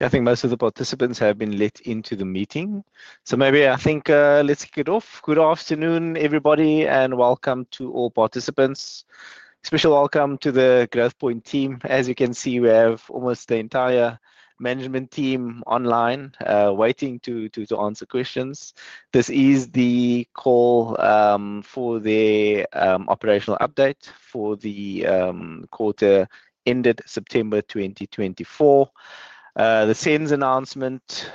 I think most of the participants have been let into the meeting. So maybe I think, let's kick it off. Good afternoon, everybody, and welcome to all participants. Special welcome to the Growthpoint team. As you can see, we have almost the entire management team online, waiting to answer questions. This is the call for the operational update for the quarter ended September 2024. The SENS announcement,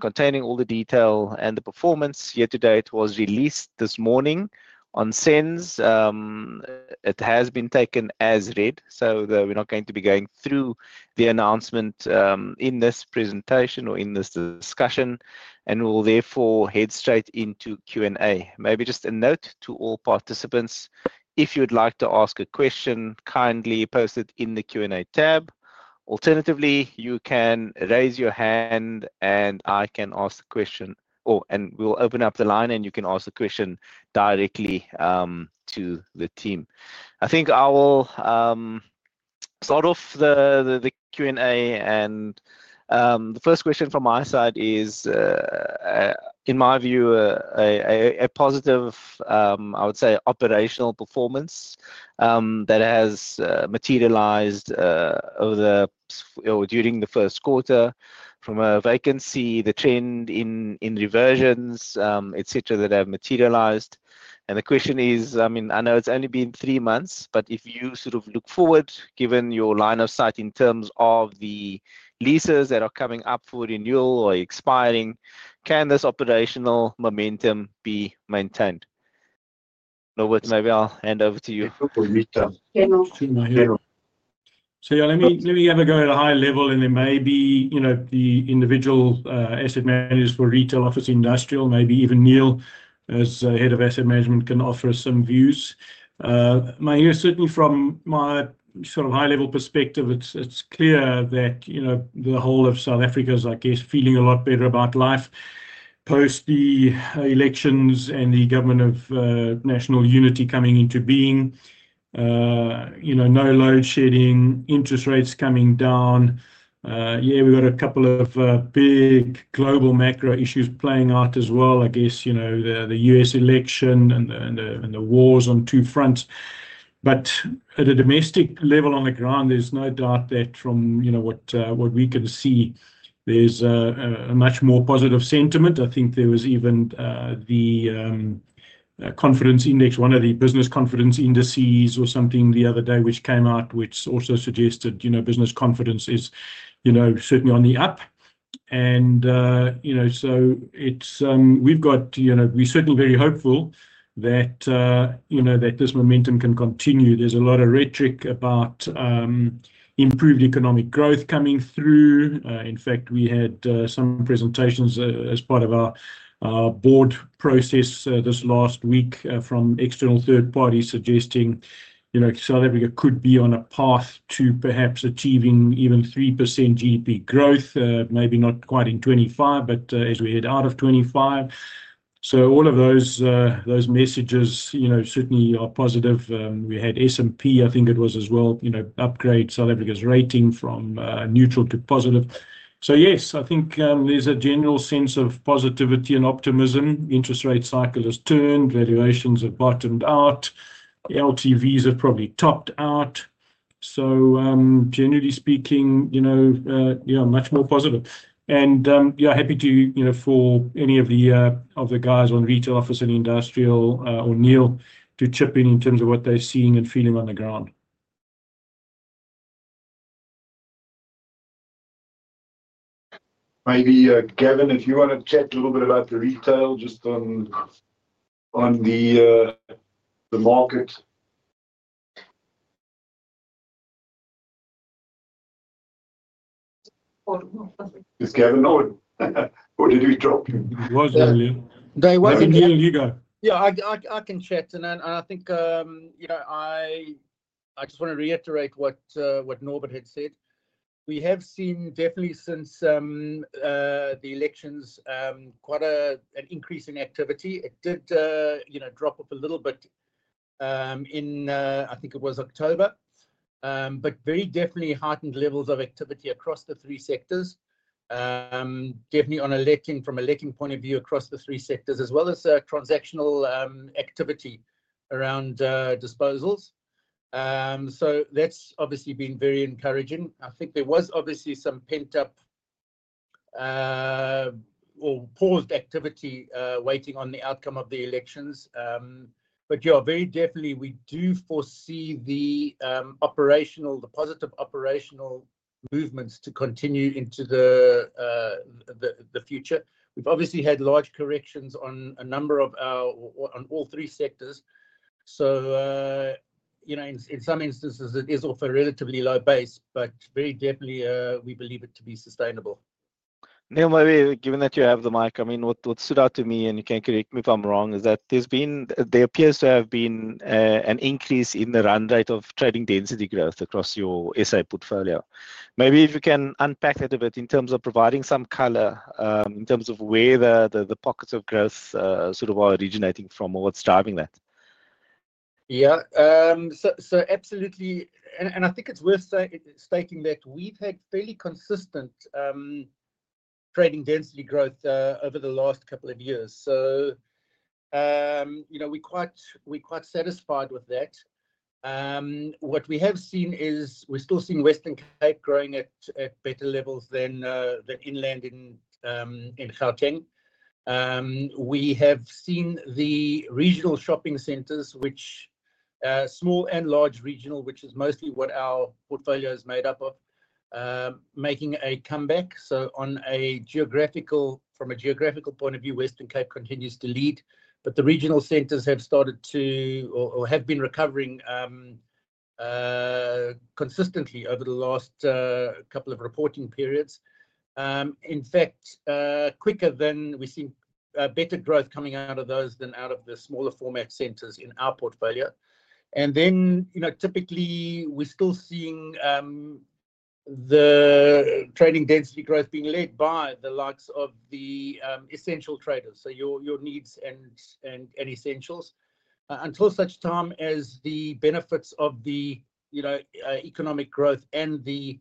containing all the detail and the performance year to date was released this morning on SENS. It has been taken as read, so that we're not going to be going through the announcement in this presentation or in this discussion, and we'll therefore head straight into Q&A. Maybe just a note to all participants, if you'd like to ask a question, kindly post it in the Q&A tab. Alternatively, you can raise your hand, and I can ask the question. Oh, and we'll open up the line, and you can ask the question directly to the team. I think I will start off the Q&A. The first question from my side is, in my view, a positive operational performance that has materialized during the first quarter from a vacancy trend in reversions, et cetera, that have materialized. The question is, I mean, I know it's only been three months, but if you sort of look forward, given your line of sight in terms of the leases that are coming up for renewal or expiring, can this operational momentum be maintained? Norbert, maybe I'll hand over to you. Yeah. So yeah, let me, let me have a go at a high level, and then maybe, you know, the individual asset managers for retail, office, industrial, maybe even Neil as head of asset management can offer us some views. My view is certainly from my sort of high-level perspective; it's clear that, you know, the whole of South Africa's, I guess, feeling a lot better about life post the elections and the Government of National Unity coming into being. You know, no load shedding, interest rates coming down. Yeah, we've got a couple of big global macro issues playing out as well. I guess, you know, the U.S. election and the wars on two fronts. But at a domestic level on the ground, there's no doubt that from, you know, what we can see, there's a much more positive sentiment. I think there was even the confidence index, one of the business confidence indices or something the other day, which came out, which also suggested, you know, business confidence is, you know, certainly on the up. And, you know, so it's, we've got, you know, we're certainly very hopeful that, you know, that this momentum can continue. There's a lot of rhetoric about improved economic growth coming through. In fact, we had some presentations as part of our board process this last week from external third parties suggesting, you know, South Africa could be on a path to perhaps achieving even 3% GDP growth, maybe not quite in 2025, but as we head out of 2025. So all of those messages, you know, certainly are positive. We had S&P, I think it was as well, you know, upgrade South Africa's rating from neutral to positive. So yes, I think, there's a general sense of positivity and optimism. Interest rate cycle has turned, valuations have bottomed out, LTVs have probably topped out. So, generally speaking, you know, yeah, much more positive. And, yeah, happy to, you know, for any of the guys on retail office and industrial, or Neil to chip in in terms of what they're seeing and feeling on the ground. Maybe, Gavin, if you want to chat a little bit about the retail just on the market. Is Gavin on? Or did we drop you? It was earlier. David, you go. Yeah, I can chat, and I think, you know, I just want to reiterate what Norbert had said. We have seen definitely since the elections quite an increase in activity. It did, you know, drop off a little bit in I think it was October, but very definitely heightened levels of activity across the three sectors. Definitely on a letting from a letting point of view across the three sectors as well as transactional activity around disposals, so that's obviously been very encouraging. I think there was obviously some pent-up or paused activity waiting on the outcome of the elections, but yeah, very definitely we do foresee the operational, the positive operational movements to continue into the future. We've obviously had large corrections on a number of our, on all three sectors. So, you know, in some instances, it is off a relatively low base, but very definitely, we believe it to be sustainable. Now, maybe given that you have the mic, I mean, what stood out to me, and you can correct me if I'm wrong, is that there's been, there appears to have been, an increase in the run rate of trading density growth across your SA portfolio. Maybe if you can unpack that a bit in terms of providing some color, in terms of where the pockets of growth, sort of are originating from or what's driving that? Yeah. So, so absolutely. And, and I think it's worth stating that we've had fairly consistent trading density growth over the last couple of years. So, you know, we're quite, we're quite satisfied with that. What we have seen is we're still seeing Western Cape growing at better levels than inland in Gauteng. We have seen the regional shopping centers, which, small and large regional, which is mostly what our portfolio is made up of, making a comeback. So on a geographical, from a geographical point of view, Western Cape continues to lead, but the regional centers have started to, or, or have been recovering consistently over the last couple of reporting periods. In fact, quicker than we've seen, better growth coming out of those than out of the smaller format centers in our portfolio. And then, you know, typically we're still seeing the trading density growth being led by the likes of the essential traders. So your needs and essentials, until such time as the benefits of the, you know, economic growth and the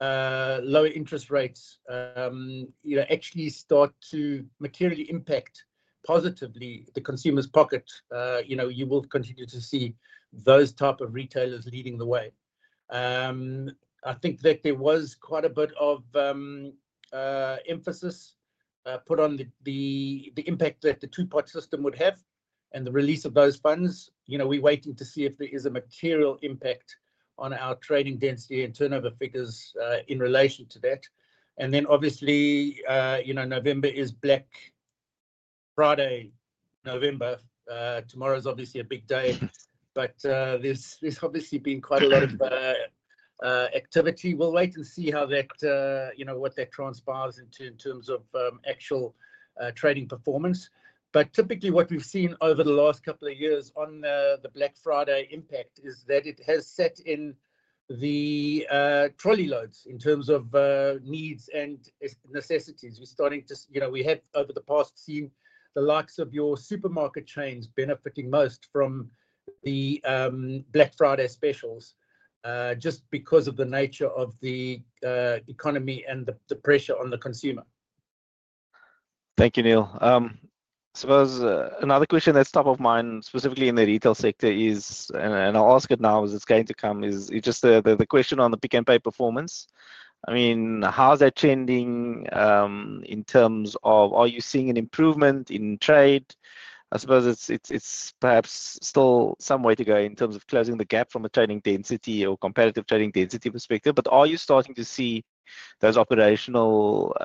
lower interest rates, you know, actually start to materially impact positively the consumer's pocket, you know, you will continue to see those type of retailers leading the way. I think that there was quite a bit of emphasis put on the impact that the two-pot system would have and the release of those funds. You know, we're waiting to see if there is a material impact on our trading density and turnover figures, in relation to that. And then obviously, you know, November is Black Friday. Tomorrow's obviously a big day, but there's obviously been quite a lot of activity. We'll wait and see how that, you know, what that transpires in terms of actual trading performance. But typically what we've seen over the last couple of years on the Black Friday impact is that it has set in the trolley loads in terms of needs and necessities. We're starting to, you know, we have over the past seen the likes of your supermarket chains benefiting most from the Black Friday specials, just because of the nature of the economy and the pressure on the consumer. Thank you, Neil. I suppose another question that's top of mind specifically in the retail sector is, and I'll ask it now as it's going to come, is it just the question on the Pick n Pay performance. I mean, how's that trending, in terms of, are you seeing an improvement in trade? I suppose it's perhaps still some way to go in terms of closing the gap from a trading density or competitive trading density perspective. But are you starting to see those operational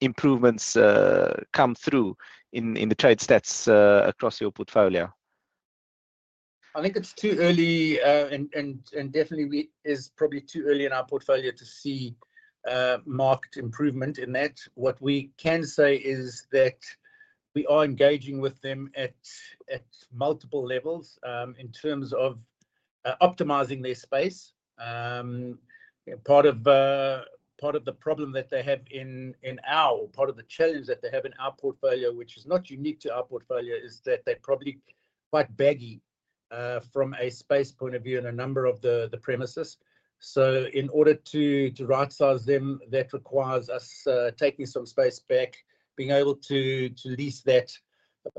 improvements come through in the trade stats across your portfolio? I think it's too early, and definitely we is probably too early in our portfolio to see marked improvement in that. What we can say is that we are engaging with them at multiple levels, in terms of optimizing their space. Part of the problem that they have in our, or part of the challenge that they have in our portfolio, which is not unique to our portfolio, is that they're probably quite baggy from a space point of view and a number of the premises. So in order to right-size them, that requires us taking some space back, being able to lease that.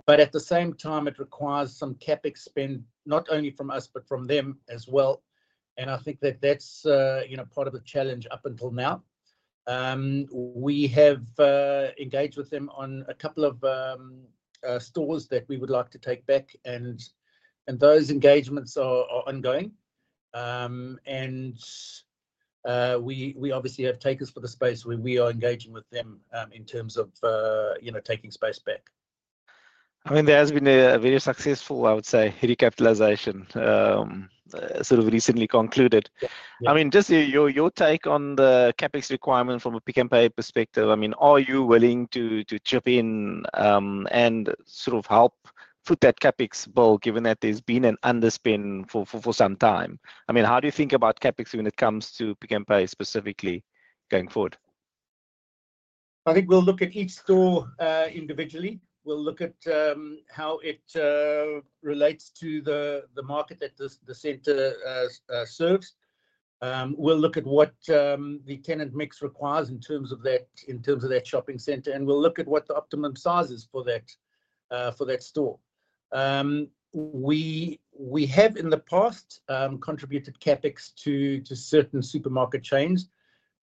But at the same time, it requires some CapEx not only from us, but from them as well. And I think that that's, you know, part of the challenge up until now. We have engaged with them on a couple of stores that we would like to take back, and those engagements are ongoing, and we obviously have takers for the space where we are engaging with them in terms of, you know, taking space back. I mean, there has been a very successful, I would say, recapitalization, sort of recently concluded. I mean, just your take on the CapEx requirement from a Pick n Pay perspective, I mean, are you willing to chip in, and sort of help put that CapEx bill, given that there's been an underspend for some time? I mean, how do you think about CapEx when it comes to Pick n Pay specifically going forward? I think we'll look at each store individually. We'll look at how it relates to the market that the center serves. We'll look at what the tenant mix requires in terms of that shopping center, and we'll look at what the optimum size is for that store. We have in the past contributed CapEx to certain supermarket chains,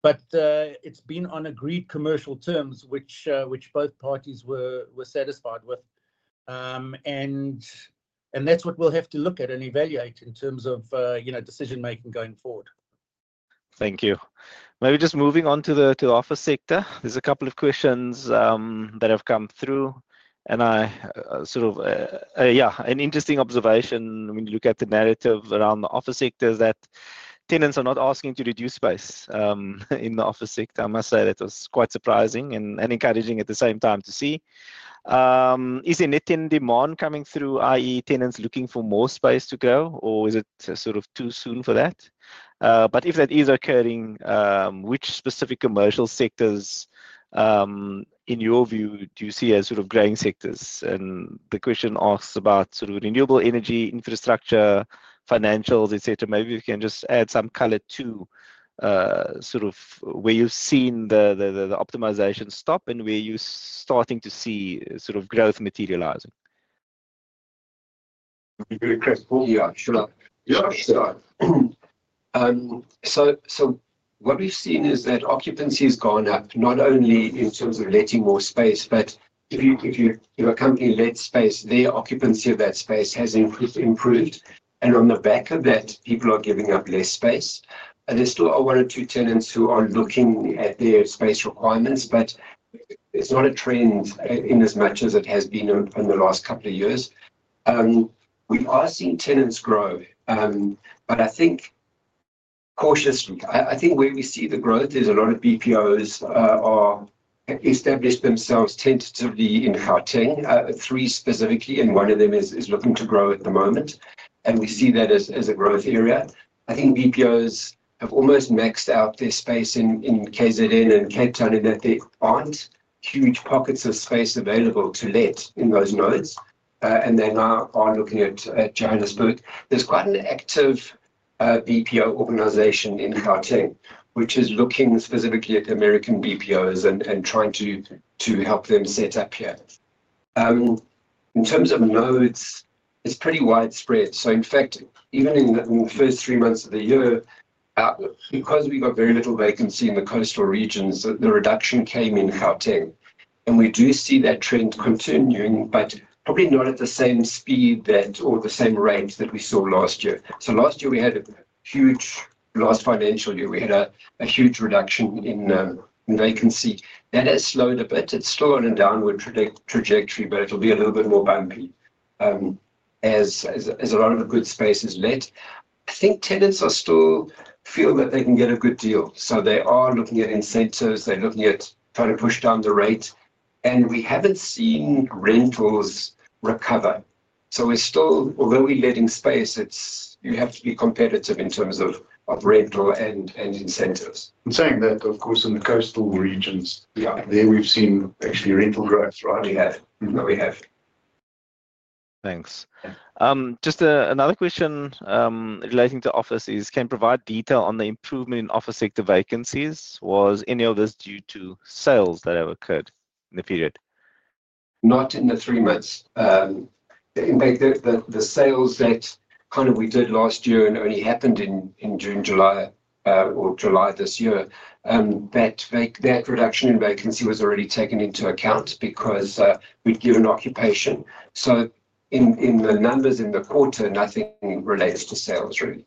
but it's been on agreed commercial terms, which both parties were satisfied with. And that's what we'll have to look at and evaluate in terms of you know decision-making going forward. Thank you. Maybe just moving on to the office sector. There's a couple of questions that have come through, and I sort of, yeah, an interesting observation when you look at the narrative around the office sector is that tenants are not asking to reduce space in the office sector. I must say that was quite surprising and encouraging at the same time to see. Is there net in demand coming through, i.e., tenants looking for more space to grow, or is it sort of too soon for that, but if that is occurring, which specific commercial sectors, in your view, do you see as sort of growing sectors? And the question asks about sort of renewable energy, infrastructure, financials, et cetera? Maybe we can just add some color to, sort of where you've seen the optimization stop and where you're starting to see sort of growth materializing? Yeah, sure. Yeah, sure. So, so what we've seen is that occupancy has gone up, not only in terms of letting more space, but if a company lets space, their occupancy of that space has improved. And on the back of that, people are giving up less space. There's still one or two tenants who are looking at their space requirements, but it's not a trend in as much as it has been in the last couple of years. We are seeing tenants grow, but I think cautiously. I think where we see the growth, there's a lot of BPOs are established themselves tentatively in Gauteng, three specifically, and one of them is looking to grow at the moment. And we see that as a growth area. I think BPOs have almost maxed out their space in KZN and Cape Town in that there aren't huge pockets of space available to let in those nodes. And they now are looking at Johannesburg. There's quite an active BPO organization in Gauteng, which is looking specifically at American BPOs and trying to help them set up here. In terms of nodes, it's pretty widespread. So in fact, even in the first three months of the year, because we got very little vacancy in the coastal regions, the reduction came in Gauteng. And we do see that trend continuing, but probably not at the same speed or the same rate that we saw last year. So last year, last financial year, we had a huge reduction in vacancy. Then it slowed a bit. It's still on a downward trajectory, but it'll be a little bit more bumpy, as a lot of the good space is let. I think tenants are still feel that they can get a good deal. So they are looking at incentives. They're looking at trying to push down the rate. And we haven't seen rentals recover. So we're still, although we're letting space, it's you have to be competitive in terms of rental and incentives. I'm saying that, of course, in the coastal regions, yeah, there we've seen actually rental growth, right? We have. We have. Thanks. Just another question relating to offices. Can provide detail on the improvement in office sector vacancies? Was any of this due to sales that have occurred in the period? Not in the three months. In fact, the sales that kind of we did last year and only happened in June, July, or July this year, that reduction in vacancy was already taken into account because we'd given occupation. So in the numbers in the quarter, nothing relates to sales really.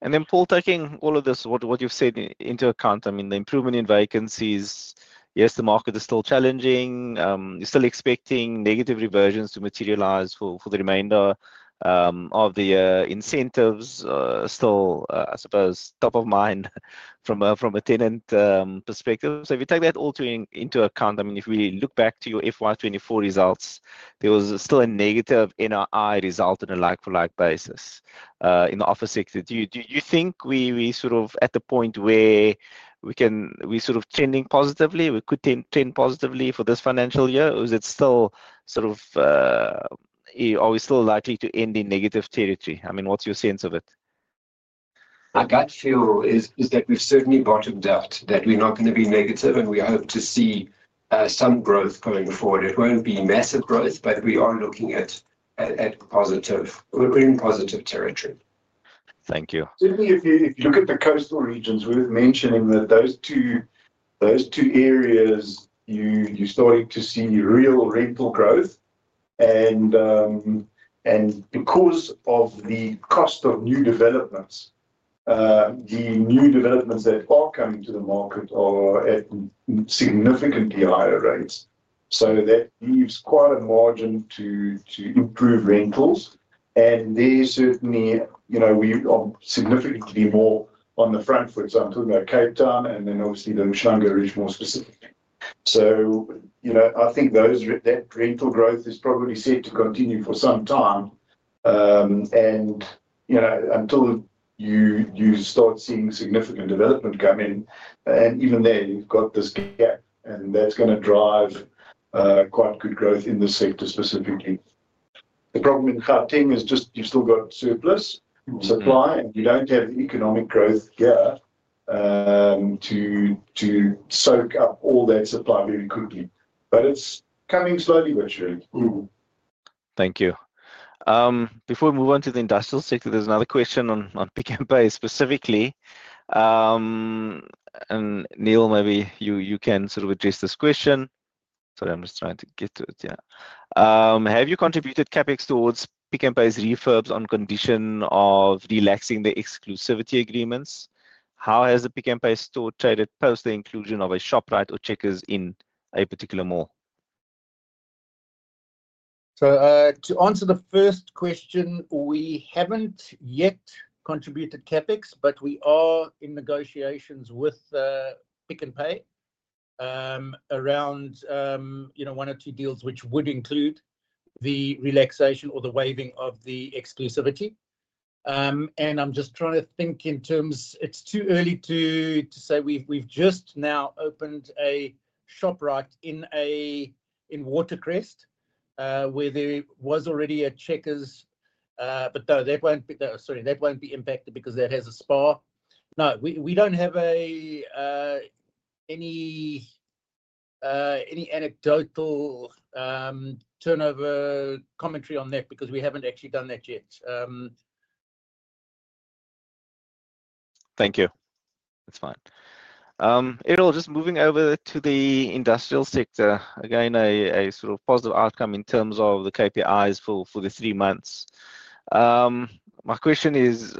Then Paul, taking all of this, what you've said into account, I mean, the improvement in vacancies, yes, the market is still challenging. You're still expecting negative reversions to materialize for the remainder of the incentives, still, I suppose top of mind from a tenant perspective. So if you take that all into account, I mean, if we look back to your FY 24 results, there was still a negative NPI result on a like-for-like basis in the office sector. Do you think we are sort of at the point where we can trend positively for this financial year? Or is it still sort of, are we still likely to end in negative territory? I mean, what's your sense of it? I got you is that we've certainly bottomed out, that we are not gonna be negative and we hope to see some growth going forward. It won't be massive growth, but we are looking at positive, we're in positive territory. Thank you. Certainly, if you look at the coastal regions, we're mentioning that those two areas, you started to see real rental growth. And because of the cost of new developments, the new developments that are coming to the market are at significantly higher rates. So that leaves quite a margin to improve rentals. And certainly, you know, we are significantly more on the front foot. So I'm talking about Cape Town and then obviously the Umhlanga Ridge more specifically. So, you know, I think that rental growth is probably set to continue for some time, you know, until you start seeing significant development come in, and even there you've got this gap and that's gonna drive quite good growth in the sector specifically. The problem in Gauteng is just you've still got surplus supply and you don't have the economic growth here, to, to soak up all that supply very quickly. But it's coming slowly, but surely. Thank you. Before we move on to the industrial sector, there's another question on Pick n Pay specifically, and Neil, maybe you can sort of address this question. Sorry, I'm just trying to get to it. Yeah. Have you contributed CapEx towards Pick n Pay's refurbs on condition of relaxing the exclusivity agreements? How has the Pick n Pay store traded post the inclusion of a Shoprite or Checkers in a particular mall? So, to answer the first question, we haven't yet contributed CapEx, but we are in negotiations with Pick n Pay, around, you know, one or two deals which would include the relaxation or the waiving of the exclusivity. And I'm just trying to think in terms, it's too early to say we've just now opened a shoprite in Watercrest, where there was already a Checkers. But no, that won't be impacted, sorry, because that has a SPAR. No, we don't have any anecdotal turnover commentary on that because we haven't actually done that yet. Thank you. That's fine. Errol, just moving over to the industrial sector, again, a sort of positive outcome in terms of the KPIs for the three months. My question is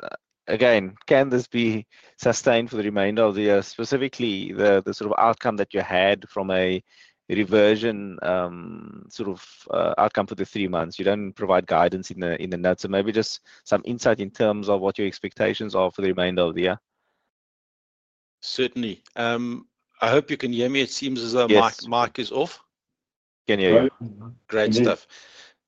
again, can this be sustained for the remainder of the year, specifically the sort of outcome that you had from a reversion, sort of, outcome for the three months? You don't provide guidance in the notes. So maybe just some insight in terms of what your expectations are for the remainder of the year? Certainly. I hope you can hear me. It seems as though Mike, Mike is off. Can you hear you? Great stuff.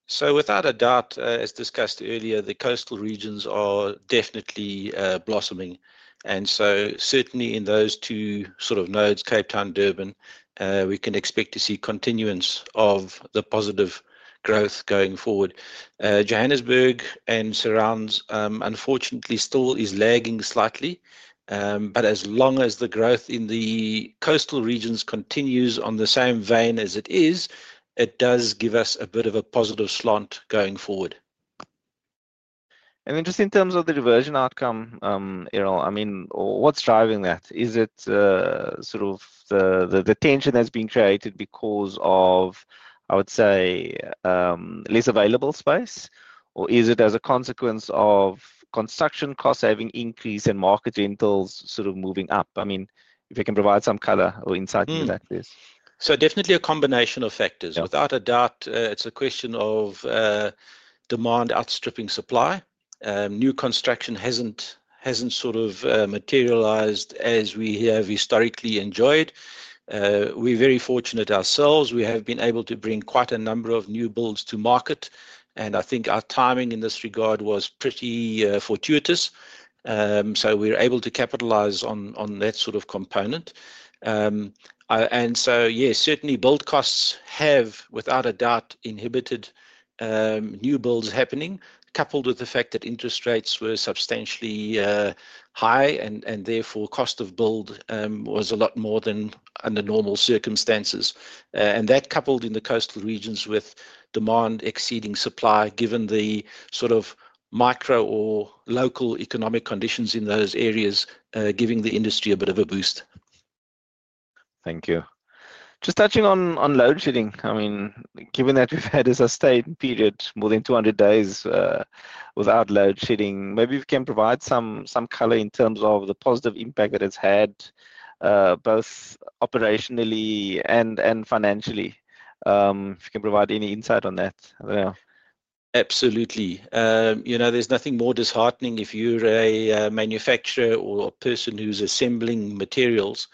So without a doubt, as discussed earlier, the coastal regions are definitely blossoming. And so certainly in those two sort of nodes, Cape Town, Durban, we can expect to see continuance of the positive growth going forward. Johannesburg and surrounds, unfortunately still is lagging slightly. But as long as the growth in the coastal regions continues on the same vein as it is, it does give us a bit of a positive slant going forward. And then just in terms of the reversion outcome, Errol, I mean, what's driving that? Is it, sort of, the tension that's being created because of, I would say, less available space, or is it as a consequence of construction costs having increased and market rentals sort of moving up? I mean, if you can provide some color or insight into that, please. So definitely a combination of factors. Without a doubt, it's a question of demand outstripping supply. New construction hasn't sort of materialized as we have historically enjoyed. We're very fortunate ourselves. We have been able to bring quite a number of new builds to market. And I think our timing in this regard was pretty fortuitous. So we were able to capitalize on that sort of component. And so yeah, certainly build costs have without a doubt inhibited new builds happening, coupled with the fact that interest rates were substantially high and therefore cost of build was a lot more than under normal circumstances. And that coupled in the coastal regions with demand exceeding supply, given the sort of micro or local economic conditions in those areas, giving the industry a bit of a boost. Thank you. Just touching on load shedding. I mean, given that we've had a stable period more than 200 days without load shedding, maybe you can provide some color in terms of the positive impact that it's had, both operationally and financially. If you can provide any insight on that? Absolutely, you know, there's nothing more disheartening if you're a manufacturer or a person who's assembling materials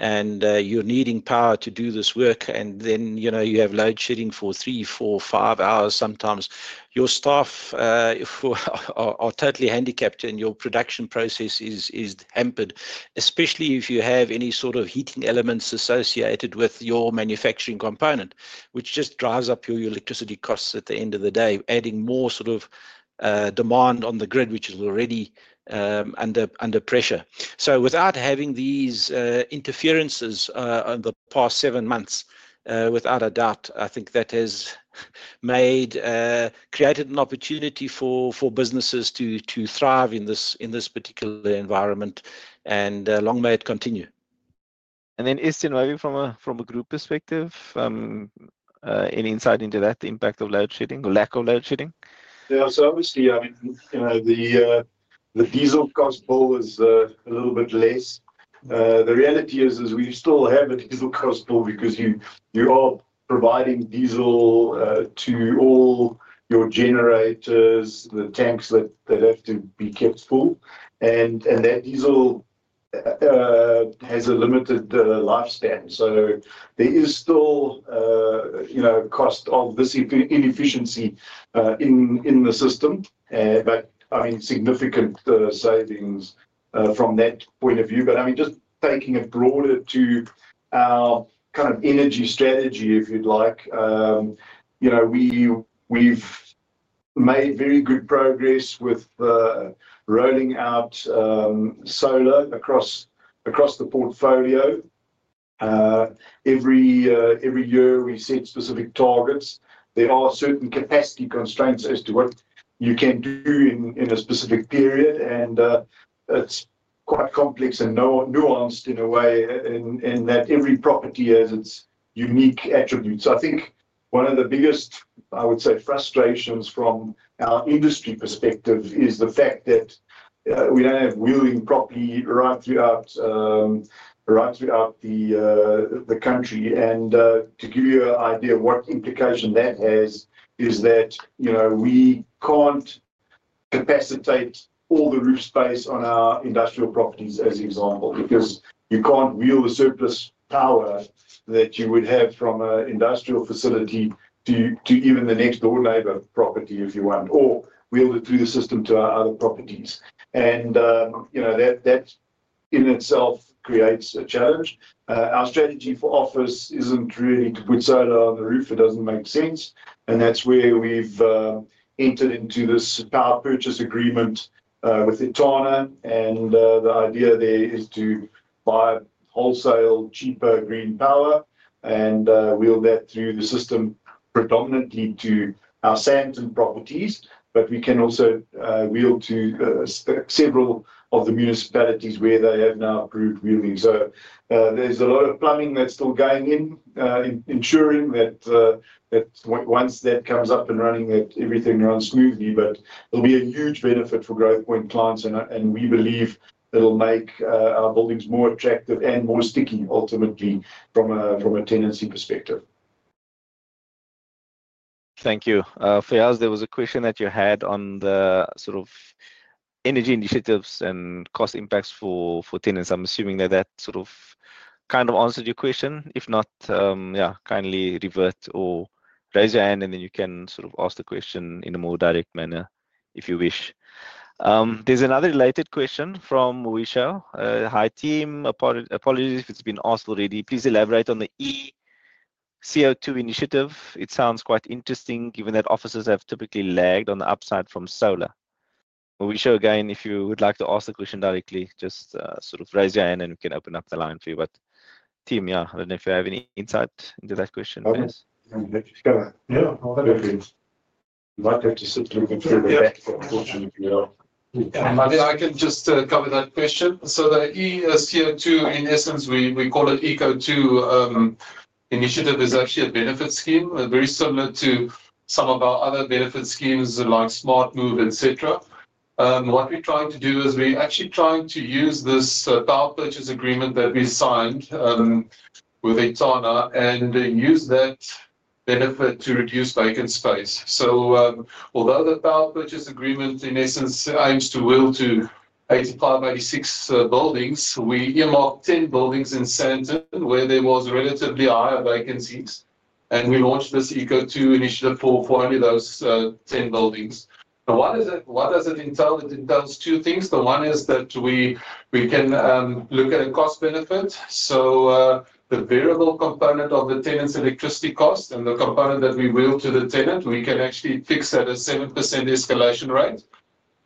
and you're needing power to do this work, and then you know you have load shedding for three, four, five hours sometimes. Your staff are totally handicapped and your production process is hampered, especially if you have any sort of heating elements associated with your manufacturing component, which just drives up your electricity costs at the end of the day, adding more sort of demand on the grid, which is already under pressure. So without having these interferences in the past seven months, without a doubt, I think that has created an opportunity for businesses to thrive in this particular environment, and long may it continue. And then Estienne, maybe from a group perspective, any insight into that, the impact of load shedding or lack of load shedding? Yeah. So obviously, I mean, you know, the diesel cost bill is a little bit less. The reality is, we still have a diesel cost bill because you are providing diesel to all your generators, the tanks that have to be kept full. And that diesel has a limited lifespan. So there is still, you know, cost of this inefficiency in the system, but I mean, significant savings from that point of view. But I mean, just taking it broader to our kind of energy strategy, if you'd like, you know, we have made very good progress with rolling out solar across the portfolio. Every year we set specific targets. There are certain capacity constraints as to what you can do in a specific period. It's quite complex and nuanced in a way, in that every property has its unique attributes. I think one of the biggest, I would say, frustrations from our industry perspective is the fact that we don't have wheeling properly right throughout the country. To give you an idea of what implication that has is that, you know, we can't capacitate all the roof space on our industrial properties as example, because you can't wheel the surplus power that you would have from an industrial facility to even the next door neighbor property if you want, or wheel it through the system to our other properties. You know, that in itself creates a challenge. Our strategy for office isn't really to put solar on the roof. It doesn't make sense. That's where we've entered into this power purchase agreement with Etana. The idea there is to buy wholesale cheaper green power and wheel that through the system predominantly to our Sandton properties. We can also wheel to several of the municipalities where they have now approved wheeling. There is a lot of plumbing that is still going in to ensure that once that comes up and running, everything runs smoothly. It will be a huge benefit for Growthpoint clients. We believe it will make our buildings more attractive and more sticky ultimately from a tenancy perspective. Thank you. For us, there was a question that you had on the sort of energy initiatives and cost impacts for tenants. I'm assuming that that sort of kind of answered your question. If not, yeah, kindly revert or raise your hand and then you can sort of ask the question in a more direct manner if you wish. There's another related question from Mauricio. Hi team. Apologies if it's been asked already. Please elaborate on the e-CO2 initiative. It sounds quite interesting given that offices have typically lagged on the upside from solar. Mauricio, again, if you would like to ask the question directly, just sort of raise your hand and we can open up the line for you. But team, yeah, I don't know if you have any insight into that question, please. Yeah. I might have to sit and look at that, unfortunately. I can just cover that question. So the e-CO2, in essence, we call it e-CO2, initiative is actually a benefit scheme, very similar to some of our other benefit schemes like SmartMove, et cetera. What we're trying to do is we actually trying to use this power purchase agreement that we signed, with Etana and use that benefit to reduce vacant space. So, although the power purchase agreement in essence aims to wheel to 85-86 buildings, we earmarked 10 buildings in Sandton where there was relatively higher vacancies. We launched this e-CO2 initiative for only those 10 buildings. Now, what does it entail? It entails two things. The one is that we look at a cost benefit. The variable component of the tenant's electricity cost and the component that we wheel to the tenant, we can actually fix at a 7% escalation rate.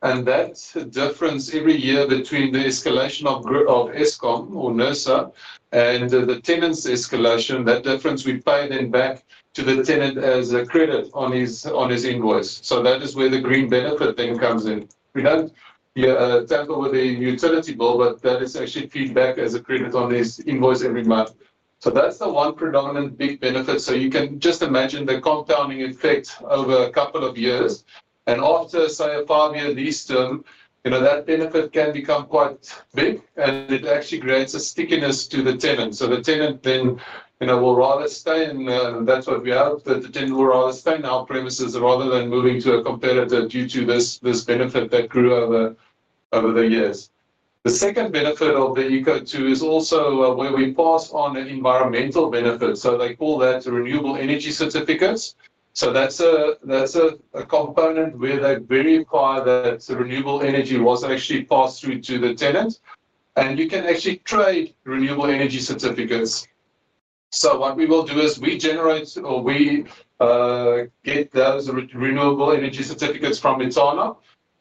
That difference every year between the escalation of, of Eskom or NERSA and the tenant's escalation, that difference we pay then back to the tenant as a credit on his, on his invoice. That is where the green benefit then comes in. We don't tamper with the utility bill, but that is actually feedback as a credit on this invoice every month. That's the one predominant big benefit. You can just imagine the compounding effect over a couple of years. After, say, a five-year lease term, you know, that benefit can become quite big and it actually grants a stickiness to the tenant. The tenant then, you know, will rather stay in. That's what we hope that the tenant will rather stay in our premises rather than moving to a competitor due to this benefit that grew over the years. The second benefit of the e-CO2 is also where we pass on environmental benefits. They call that renewable energy certificates. That's a component where they verify that renewable energy was actually passed through to the tenant. You can actually trade renewable energy certificates. What we will do is we generate or get those renewable energy certificates from Etana,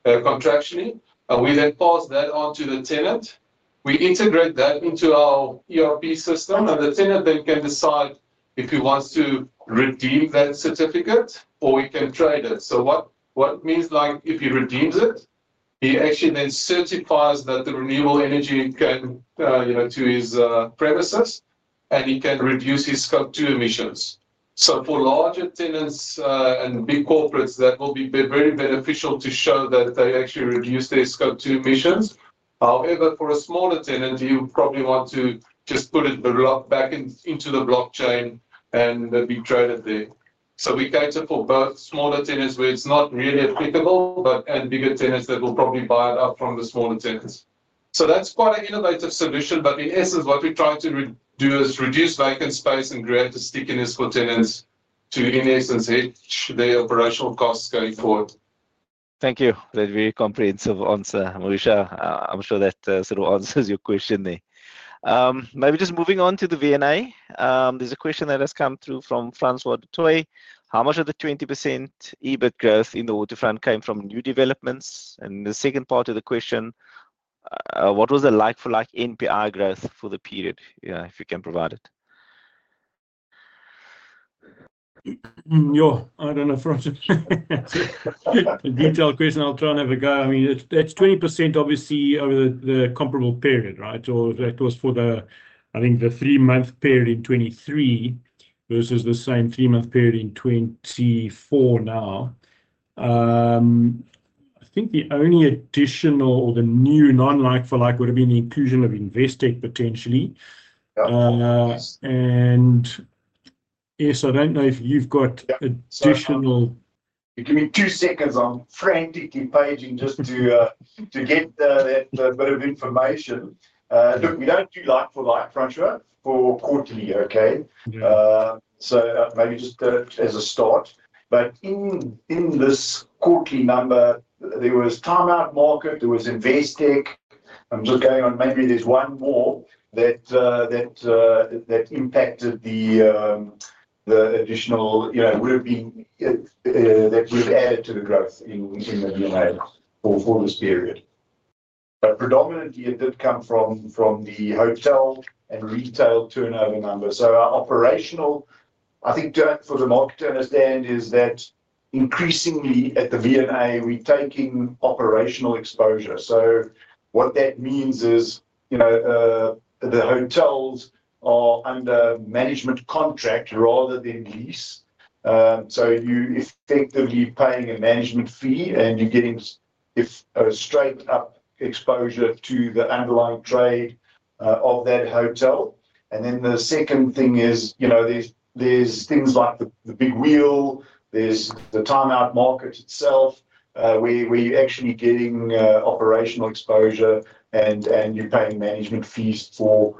contractually. We then pass that onto the tenant. We integrate that into our ERP system. The tenant then can decide if he wants to redeem that certificate or he can trade it. So what it means like if he redeems it, he actually then certifies that the renewable energy can, you know, to his premises and he can reduce his Scope 2 emissions. So for larger tenants, and big corporates, that will be very beneficial to show that they actually reduce their Scope 2 emissions. However, for a smaller tenant, you probably want to just put it back into the blockchain and be traded there. So we cater for both smaller tenants where it's not really applicable, and bigger tenants that will probably buy it up from the smaller tenants. So that's quite an innovative solution. But in essence, what we try to do is reduce vacant space and create a stickiness for tenants to, in essence, hedge their operational costs going forward. Thank you. That's a very comprehensive answer, Mauricio. I'm sure that, sort of answers your question there. Maybe just moving on to the V&A. There's a question that has come through from François Du Toit. How much of the 20% EBIT growth in the Waterfront came from new developments? And the second part of the question, what was the like-for-like NPI growth for the period? Yeah, if you can provide it. Yeah, I don't know for a detailed question. I'll try and have a go. I mean, that's 20% obviously over the comparable period, right? Or that was for the, I think the three-month period in 2023 versus the same three-month period in 2024 now. I think the only additional or the new non-like-for-like would have been the inclusion of Investec potentially, and yes, I don't know if you've got additional. Give me two seconds. I'm frantically paging just to get that bit of information. Look, we don't do like-for-like, François, for quarterly. Okay. So maybe just as a start, but in this quarterly number, there was Time Out Market, there was Investec. I'm just going on. Maybe there's one more that impacted the additional, you know, would have been that would have added to the growth in the V&A for this period. But predominantly it did come from the hotel and retail turnover number. So our operational term, I think, for the market to understand is that increasingly at the V&A, we're taking operational exposure. So what that means is, you know, the hotels are under management contract rather than lease. So you're effectively paying a management fee and you're getting a straight-up exposure to the underlying trade of that hotel. And then the second thing is, you know, there's things like the big wheel, there's the Time Out Market itself, where you're actually getting operational exposure and you're paying management fees for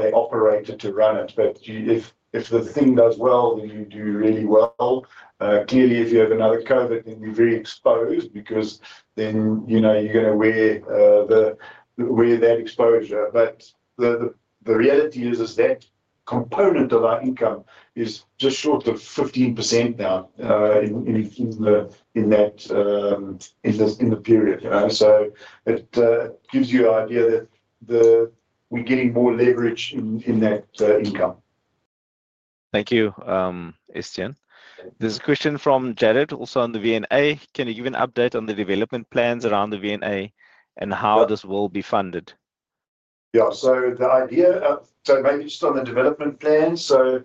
an operator to run it. But if the thing does well, then you do really well. Clearly if you have another COVID, then you're very exposed because then, you know, you're gonna wear that exposure. But the reality is that component of our income is just short of 15% now, in that period, you know. So it gives you an idea that we're getting more leverage in that income. Thank you. Estienne, there's a question from Jared also on the V&A. Can you give an update on the development plans around the V&A and how this will be funded? Yeah. So the idea of, so maybe just on the development plan. So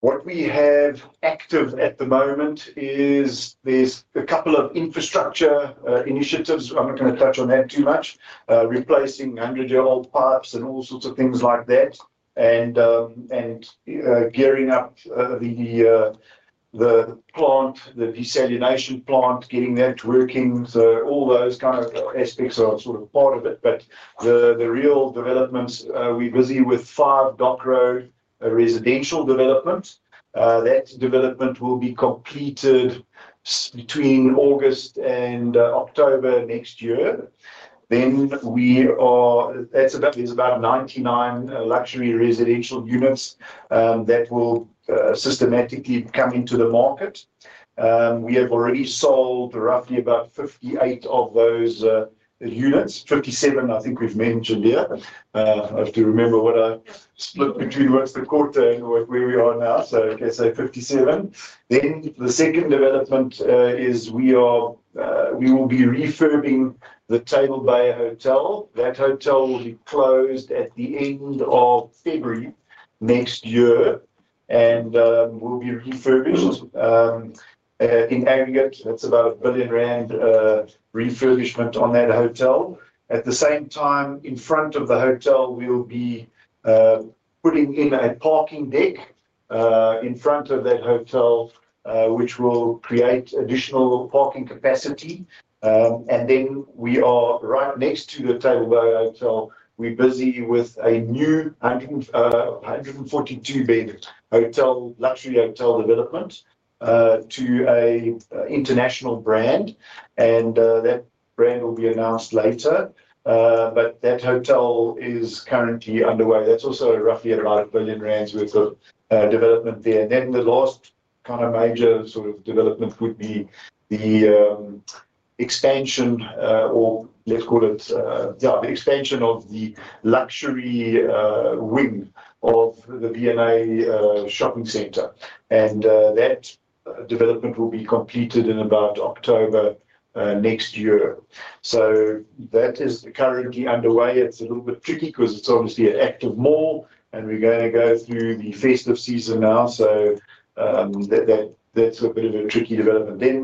what we have active at the moment is there's a couple of infrastructure initiatives. I'm not gonna touch on that too much, replacing hundred-year-old pipes and all sorts of things like that. And gearing up the plant, the desalination plant, getting that working. So all those kind of aspects are sort of part of it. But the real developments, we're busy with five Dock Road residential developments. That development will be completed between August and October next year. Then we are. That's about. There's about 99 luxury residential units that will systematically come into the market. We have already sold roughly about 58 of those units. 57, I think we've mentioned there. I have to remember what I split between what's the quarter and where we are now. So I can say 57. Then the second development is we will be refurbishing the Table Bay Hotel. That hotel will be closed at the end of February next year and will be refurbished in aggregate. That's about 1 billion rand refurbishment on that hotel. At the same time, in front of the hotel, we'll be putting in a parking deck in front of that hotel, which will create additional parking capacity. And then we are right next to the Table Bay Hotel. We're busy with a new 142-bed hotel, luxury hotel development to an international brand. And that brand will be announced later. But that hotel is currently underway. That's also roughly at about 1 billion rand worth of development there. Then the last kind of major sort of development would be the expansion, or let's call it, yeah, the expansion of the luxury wing of the V&A shopping center. That development will be completed in about October next year. So that is currently underway. It's a little bit tricky 'cause it's obviously an active mall and we're gonna go through the festive season now. So, that's a bit of a tricky development. Then,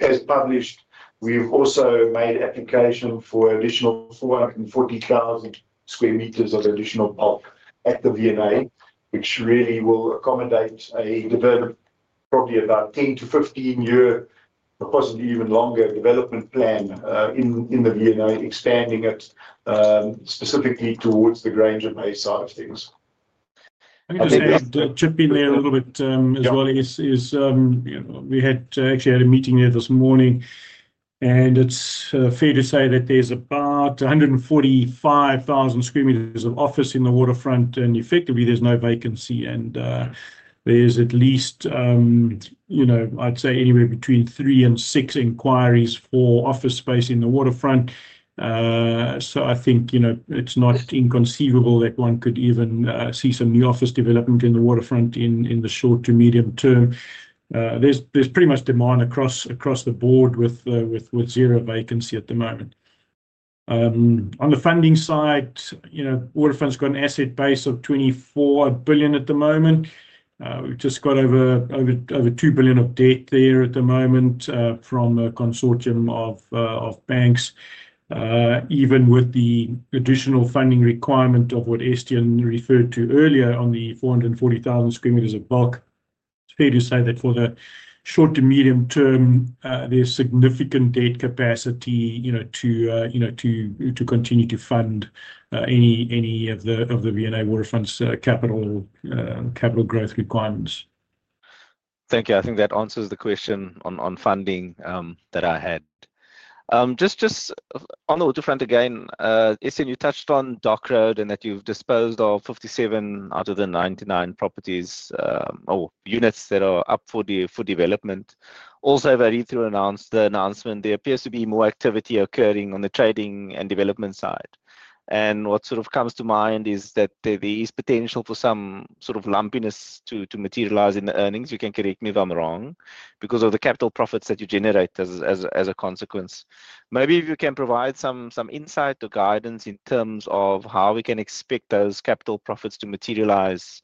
as published, we've also made application for additional 440,000 square meters of additional bulk at the V&A, which really will accommodate a development, probably about 10- to 15-year, possibly even longer development plan in the V&A, expanding it, specifically towards the Granger Bay side of things. Let me just add, chip in there a little bit, as well, is, you know, we actually had a meeting there this morning and it's fair to say that there's about 145,000 square meters of office in the Waterfront and effectively there's no vacancy, and there's at least, you know, I'd say anywhere between three and six inquiries for office space in the Waterfront. So I think, you know, it's not inconceivable that one could even see some new office development in the Waterfront in the short to medium term. There's pretty much demand across the board with zero vacancy at the moment. On the funding side, you know, Waterfront's got an asset base of 24 billion at the moment. We've just got over 2 billion of debt there at the moment, from a consortium of banks. Even with the additional funding requirement of what Estienne referred to earlier on the 440,000 sq m of bulk, it's fair to say that for the short to medium term, there's significant debt capacity, you know, to continue to fund any of the V&A Waterfront's capital growth requirements. Thank you. I think that answers the question on funding that I had. Just on the Waterfront again, Estienne, you touched on Dock Road and that you've disposed of 57 out of the 99 properties, or units that are up for the development. Also, I've heard through the announcement, there appears to be more activity occurring on the trading and development side. And what sort of comes to mind is that there is potential for some sort of lumpiness to materialize in the earnings. You can correct me if I'm wrong because of the capital profits that you generate as a consequence. Maybe if you can provide some insight or guidance in terms of how we can expect those capital profits to materialize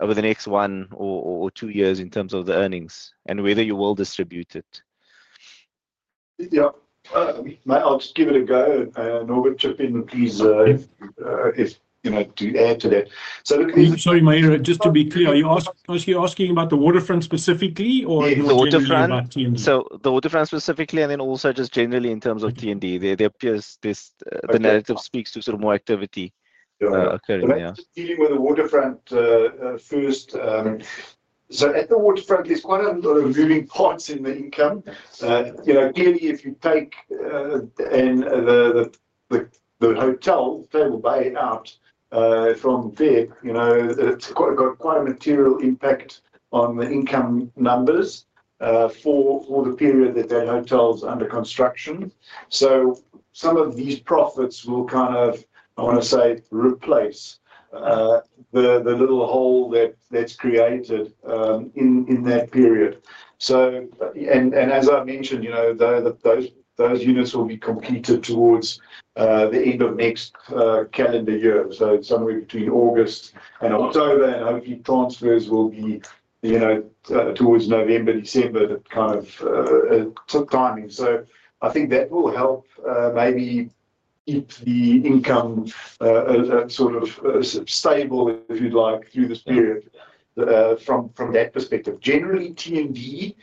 over the next one or two years in terms of the earnings and whether you will distribute it? Yeah, maybe I'll just give it a go and, Norbert, chip in with these, if, you know, to add to that. So look. Sorry, Myra, just to be clear, are you asking about the Waterfront specifically or the waterfront? So the Waterfront specifically and then also just generally in terms of T&D, there appears this, the narrative speaks to sort of more activity occurring. Yeah. Dealing with the Waterfront, first, so at the Waterfront, there's quite a lot of moving parts in the income. You know, clearly if you take the hotel, Table Bay out from there, you know, it's got quite a material impact on the income numbers for the period that that hotel's under construction. So some of these profits will kind of, I wanna say, replace the little hole that's created in that period. So, and as I mentioned, you know, those units will be completed towards the end of next calendar year. So somewhere between August and October and hopefully transfers will be, you know, towards November, December, that kind of timing. So I think that will help, maybe keep the income sort of stable if you'd like through this period from that perspective. Generally, T&D,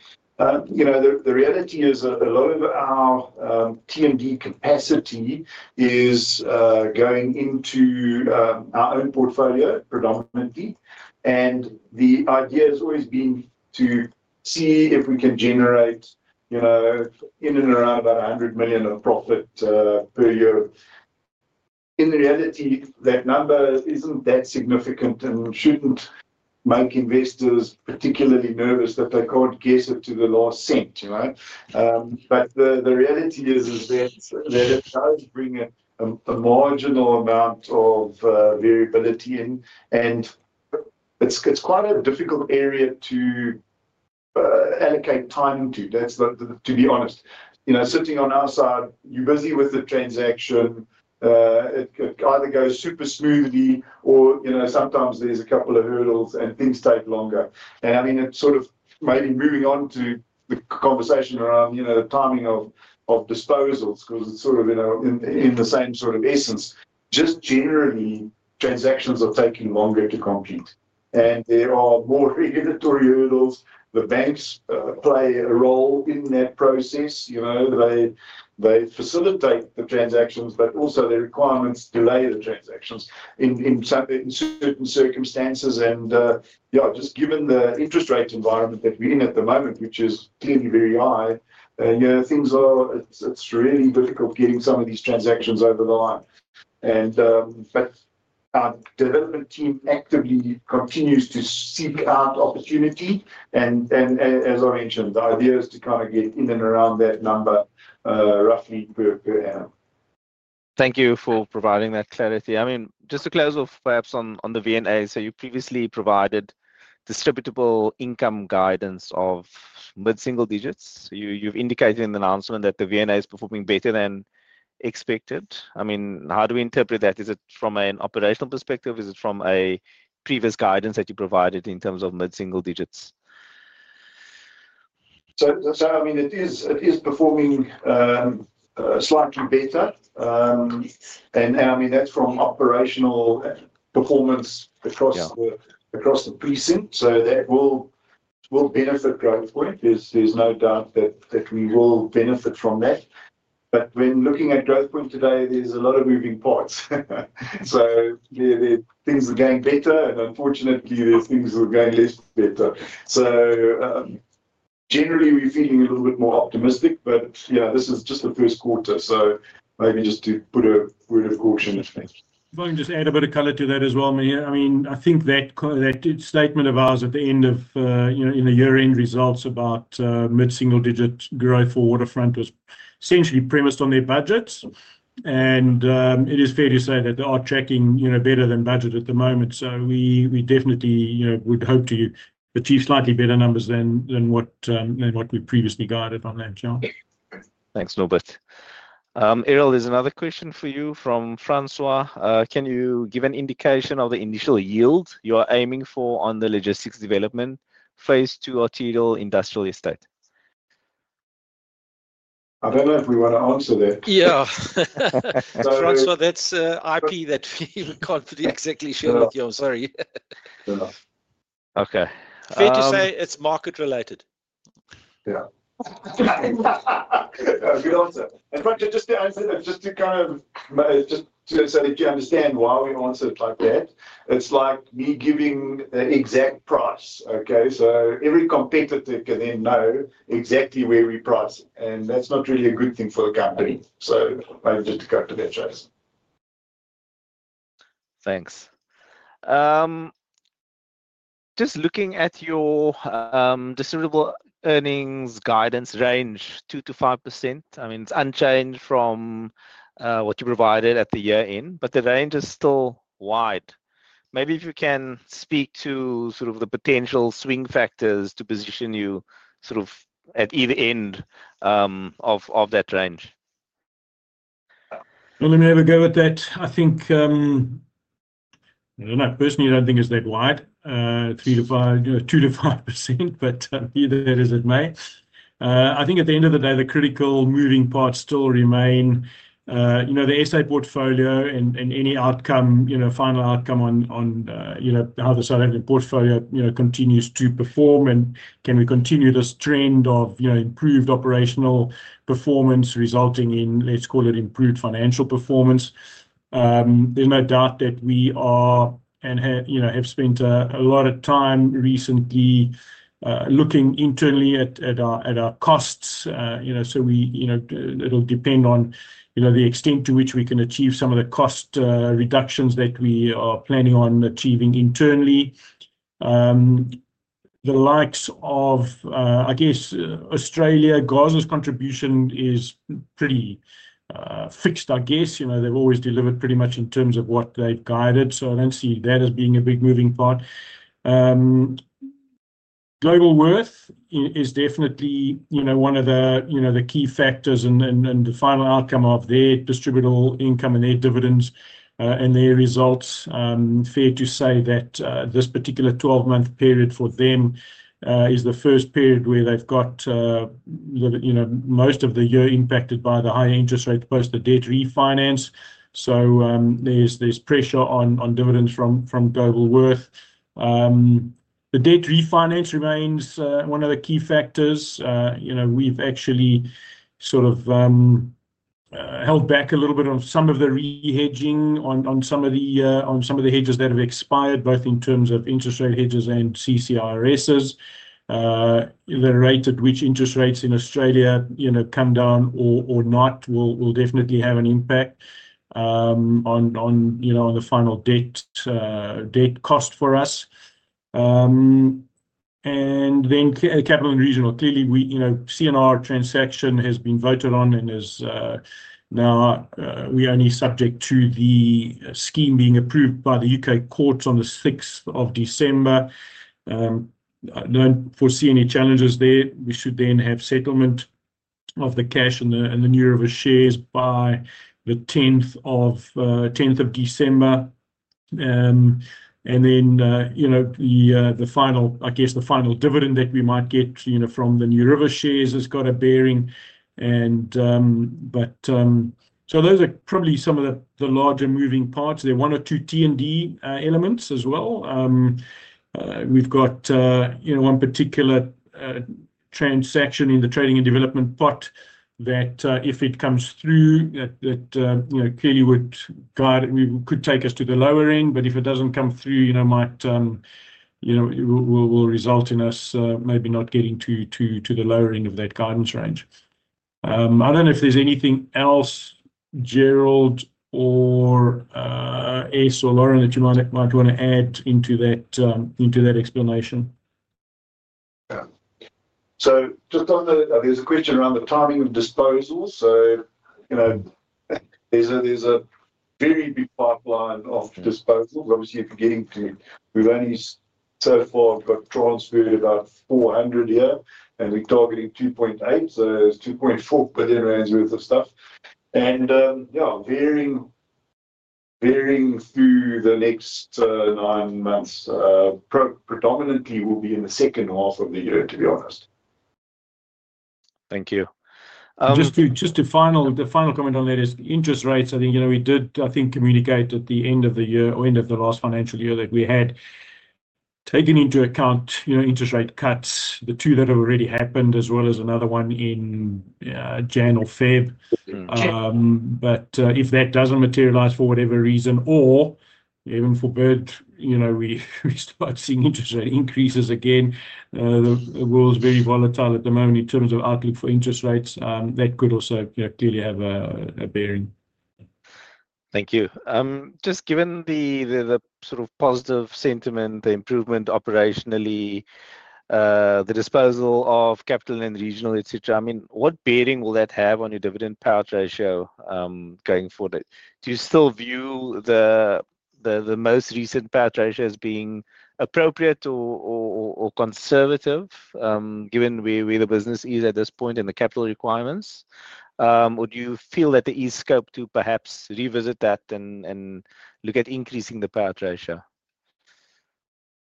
you know, the reality is a lot of our T&D capacity is going into our own portfolio predominantly. And the idea has always been to see if we can generate, you know, in and around about 100 million of profit per year. In reality, that number isn't that significant and shouldn't make investors particularly nervous that they can't guess it to the last cent, you know. But the reality is that it does bring a marginal amount of variability in, and it's quite a difficult area to allocate time to. That's to be honest, you know, sitting on our side, you're busy with the transaction, it either goes super smoothly or, you know, sometimes there's a couple of hurdles and things take longer. I mean, it's sort of maybe moving on to the conversation around, you know, the timing of disposals 'cause it's sort of, you know, in the same sort of essence. Just generally, transactions are taking longer to complete and there are more regulatory hurdles. The banks play a role in that process, you know, they facilitate the transactions, but also their requirements delay the transactions in certain circumstances. Yeah, just given the interest rate environment that we're in at the moment, which is clearly very high, you know, it's really difficult getting some of these transactions over the line. But our development team actively continues to seek out opportunity. As I mentioned, the idea is to kind of get in and around that number, roughly per annum. Thank you for providing that clarity. I mean, just to close off perhaps on the V&A, so you previously provided distributable income guidance of mid-single digits. You've indicated in the announcement that the V&A is performing better than expected. I mean, how do we interpret that? Is it from an operational perspective? Is it from a previous guidance that you provided in terms of mid-single digits? So, I mean, it is performing slightly better. And I mean, that's from operational performance across the precinct, so that will benefit Growthpoint. There's no doubt that we will benefit from that. But when looking at Growthpoint today, there's a lot of moving parts. So there are things that are going better and unfortunately there's things that are going less better. So, generally we are feeling a little bit more optimistic, but yeah, this is just the first quarter. So maybe just to put a word of caution if needed. If I can just add a bit of color to that as well, Myra. I mean, I think that statement of ours at the end of, you know, in the year-end results about mid-single-digit growth for Waterfront was essentially premised on their budgets, and it is fair to say that they are tracking, you know, better than budget at the moment, so we definitely, you know, would hope to achieve slightly better numbers than what we previously guided on that, John. Thanks, Norbert. Errol, there's another question for you from François. Can you give an indication of the initial yield you are aiming for on the logistics development phase two or two industrial estate? I don't know if we wanna answer that. Yeah. François, that's IP that we can't exactly share with you. I'm sorry. Okay. Fair to say it's market related. Yeah. That's a good answer. In fact, just to say, do you understand why we answered like that? It's like me giving the exact price, okay? So every competitor can then know exactly where we price it. And that's not really a good thing for the company. So maybe just to go to that, Chase. Thanks. Just looking at your distributable earnings guidance range, 2%-5%, I mean, it's unchanged from what you provided at the year end, but the range is still wide. Maybe if you can speak to sort of the potential swing factors to position you sort of at either end of that range. Let me have a go with that. I think, I don't know, personally, I don't think it's that wide, 3%-5%, you know, 2%-5%, but either way, it may. I think at the end of the day, the critical moving parts still remain, you know, the estate portfolio and any outcome, you know, final outcome on, you know, how the South African portfolio, you know, continues to perform and can we continue this trend of, you know, improved operational performance resulting in, let's call it improved financial performance. There's no doubt that we are and have, you know, spent a lot of time recently looking internally at our costs, you know, so we, you know, it'll depend on, you know, the extent to which we can achieve some of the cost reductions that we are planning on achieving internally. The likes of, I guess, Australia's contribution is pretty fixed, I guess, you know, they've always delivered pretty much in terms of what they've guided. So I don't see that as being a big moving part. Globalworth is definitely, you know, one of the key factors and the final outcome of their distributable income and their dividends, and their results. Fair to say that this particular 12-month period for them is the first period where they've got the you know most of the year impacted by the higher interest rates post the debt refinance. So, there's pressure on dividends from Globalworth. The debt refinance remains one of the key factors. You know, we've actually sort of held back a little bit on some of the rehedging on some of the hedges that have expired, both in terms of interest rate hedges and CCIRSs. The rate at which interest rates in Australia you know come down or not will definitely have an impact on the final debt cost for us. And then Capital & Regional, clearly we, you know, the CNR transaction has been voted on and is now subject to the scheme being approved by the U.K. courts on the 6th of December. I don't foresee any challenges there. We should then have settlement of the cash and the new shares by the 10th of December. And then, you know, the final, I guess the final dividend that we might get, you know, from the NewRiver shares has got a bearing. But so those are probably some of the larger moving parts. There are one or two T&D elements as well. We've got, you know, one particular transaction in the trading and development pot that, if it comes through, that you know clearly would guide, we could take us to the lower end, but if it doesn't come through, you know, might will result in us maybe not getting to the lower end of that guidance range. I don't know if there's anything else, Gerald, or Estienne or Lauren that you might wanna add into that explanation. Yeah. So just on the, there's a question around the timing of disposals. So, you know, there's a very big pipeline of disposals. Obviously, if you're getting to, we've only so far got transferred about 400 here and we're targeting 2.8, so it's 2.4% by then range worth of stuff. And, yeah, varying through the next nine months, predominantly will be in the second half of the year, to be honest. Thank you. Just a final comment on that is the interest rates. I think, you know, we did, I think, communicate at the end of the year or end of the last financial year that we had taken into account, you know, interest rate cuts, the two that have already happened as well as another one in January or February. But if that doesn't materialize for whatever reason or even for worse, you know, we start seeing interest rate increases again, the world's very volatile at the moment in terms of outlook for interest rates. That could also, you know, clearly have a bearing. Thank you. Just given the sort of positive sentiment, the improvement operationally, the disposal of Capital & Regional, et cetera, I mean, what bearing will that have on your dividend payout ratio, going forward? Do you still view the most recent payout ratio as being appropriate or conservative, given where the business is at this point and the capital requirements? Would you feel that there is scope to perhaps revisit that and look at increasing the payout ratio?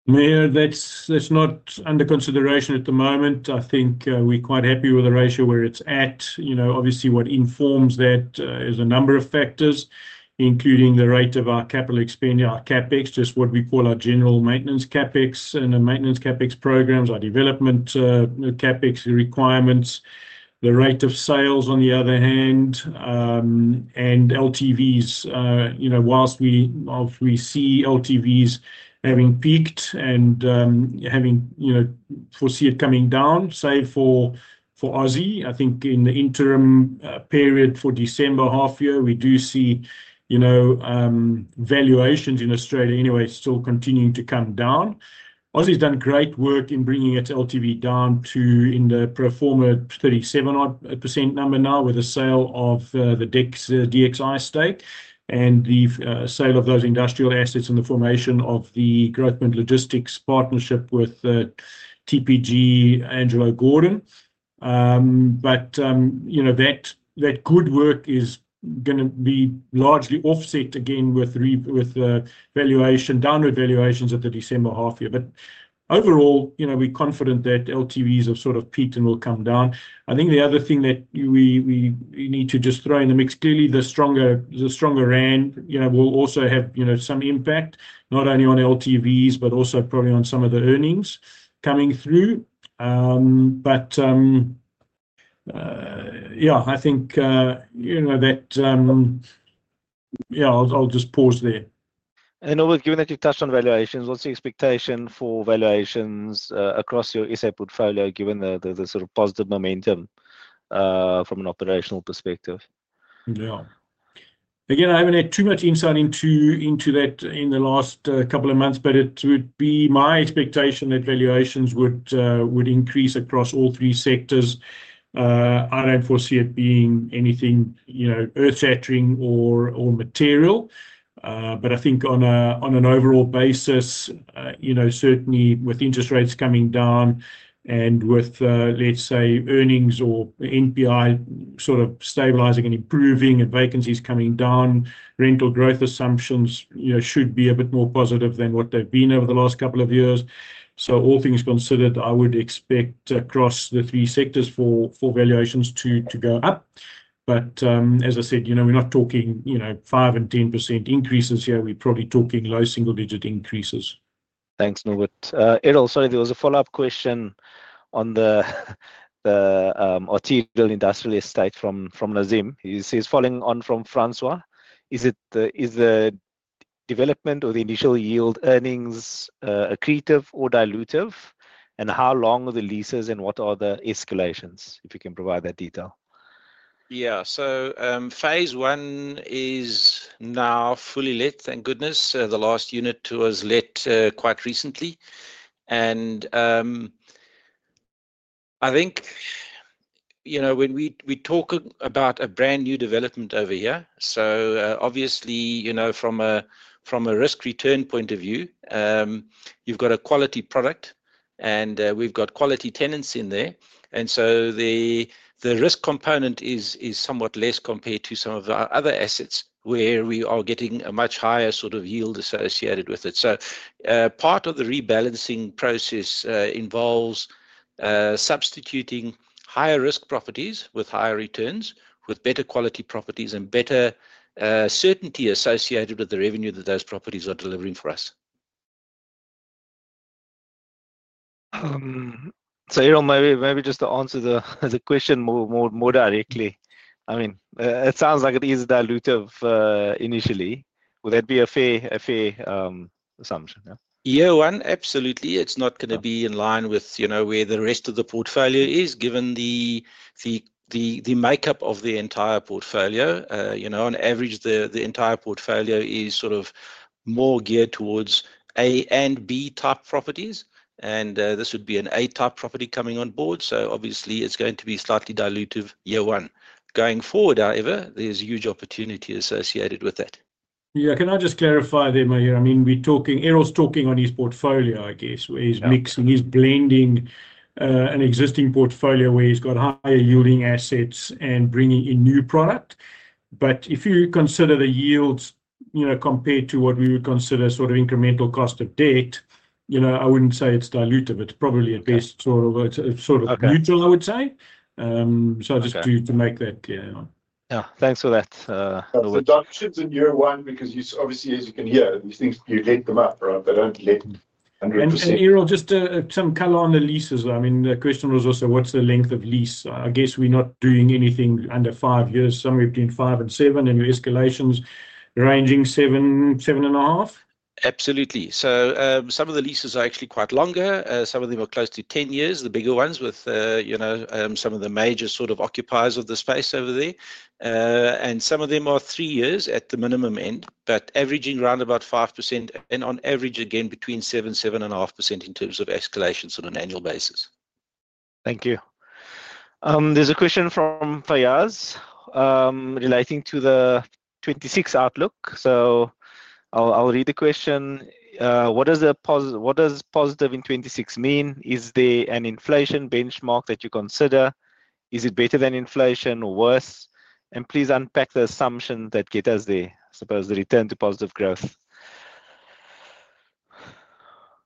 Myra, that's not under consideration at the moment. I think we are quite happy with the ratio where it's at. You know, obviously what informs that is a number of factors, including the rate of our capital expenditure, our CapEx, just what we call our general maintenance CapEx and the maintenance CapEx programs, our development CapEx requirements, the rate of sales on the other hand, and LTVs. You know, whilst we see LTVs having peaked and foresee it coming down, say for Aussie. I think in the interim period for December half year, we do see, you know, valuations in Australia anyway still continuing to come down. Aussie's done great work in bringing its LTV down to the 37% number now with a sale of the Dexus stake and the sale of those industrial assets and the formation of the Growthpoint Logistics partnership with TPG Angelo Gordon. You know, that good work is gonna be largely offset again with revaluation, downward valuations at the December half year. But overall, you know, we are confident that LTVs have sort of peaked and will come down. I think the other thing that we need to just throw in the mix, clearly the stronger rand, you know, will also have, you know, some impact not only on LTVs, but also probably on some of the earnings coming through. Yeah, I think, you know, that, yeah, I'll just pause there. Given that you've touched on valuations, what's the expectation for valuations across your estate portfolio given the sort of positive momentum from an operational perspective? Yeah. Again, I haven't had too much insight into that in the last couple of months, but it would be my expectation that valuations would increase across all three sectors. I don't foresee it being anything, you know, earth shattering or material, but I think on an overall basis, you know, certainly with interest rates coming down and with, let's say earnings or NPI sort of stabilizing and improving and vacancies coming down, rental growth assumptions, you know, should be a bit more positive than what they've been over the last couple of years, so all things considered, I would expect across the three sectors for valuations to go up, but as I said, you know, we're not talking, you know, 5% and 10% increases here. We're probably talking low single digit increases. Thanks, Norbert. Errol, sorry, there was a follow-up question on the OT build industrial estate from Nazeem. He says, following on from François, is the development or the initial yield earnings, accretive or dilutive? And how long are the leases and what are the escalations if you can provide that detail? Yeah. So, phase one is now fully lit. Thank goodness. The last unit was lit quite recently. And I think, you know, when we talk about a brand new development over here, so obviously, you know, from a risk return point of view, you've got a quality product and we've got quality tenants in there. And so the risk component is somewhat less compared to some of the other assets where we are getting a much higher sort of yield associated with it. So part of the rebalancing process involves substituting higher risk properties with higher returns with better quality properties and better certainty associated with the revenue that those properties are delivering for us. So Errol, maybe just to answer the question more directly, I mean, it sounds like it is dilutive initially. Would that be a fair assumption? Yeah, one, absolutely. It's not gonna be in line with, you know, where the rest of the portfolio is given the makeup of the entire portfolio. You know, on average, the entire portfolio is sort of more geared towards A and B type properties. And, this would be an A type property coming on board. So obviously it's going to be slightly dilutive, year one. Going forward, however, there's a huge opportunity associated with that. Yeah. Can I just clarify there, Myra? I mean, we are talking, Errol's talking on his portfolio, I guess, where he's mixing, he's blending, an existing portfolio where he's got higher yielding assets and bringing in new product. But if you consider the yields, you know, compared to what we would consider sort of incremental cost of debt, you know, I wouldn't say it's dilutive. It's probably at best sort of, it's sort of neutral, I would say. So just to make that clear. Yeah. Thanks for that. That's good. So the downshifts in year one, because you obviously, as you can hear, these things, you let them up, right? They don't let 100%. Errol, just to some color on the leases. I mean, the question was also, what's the length of lease? I guess we are not doing anything under five years, somewhere between five and seven, and your escalations ranging seven, seven and a half? Absolutely. So, some of the leases are actually quite longer, some of them are close to 10 years, the bigger ones with, you know, some of the major sort of occupiers of the space over there, and some of them are three years at the minimum end, but averaging around about 5% and on average again between seven, seven and a half % in terms of escalations on an annual basis. Thank you. There's a question from Faiyaz, relating to the 2026 outlook. So I'll read the question. What does positive in 2026 mean? Is there an inflation benchmark that you consider? Is it better than inflation or worse? And please unpack the assumption that get us there, I suppose, the return to positive growth.